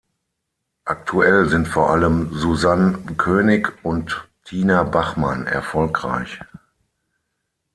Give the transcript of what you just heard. Aktuell sind vor allem Susann König und Tina Bachmann erfolgreich.